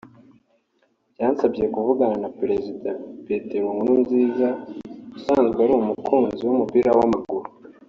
bwansabye kuvugana na perezida Petero Nkurunziza usanzwe ari umukunzi w’umupira w’amaguru